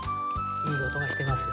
いい音がしてますよ。